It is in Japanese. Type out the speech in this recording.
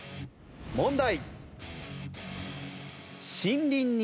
問題。